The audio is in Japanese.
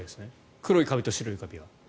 黒いカビと白いカビは。